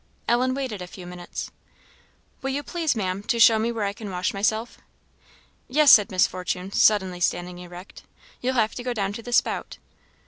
Ellen waited a few minutes. "Will you please, Maam, to show me where I can wash myself." "Yes," said Miss Fortune, suddenly standing erect, "you'll have to go down to the spout."